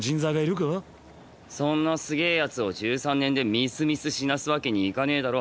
そんなすげぇ奴を１３年でみすみす死なすわけにいかねぇだろ